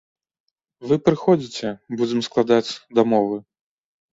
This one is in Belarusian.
Вы прыходзіце, будзем складаць дамовы.